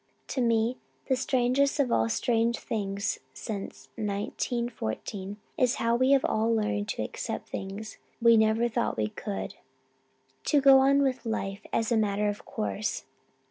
To me, the strangest of all the strange things since 1914 is how we have all learned to accept things we never thought we could to go on with life as a matter of course.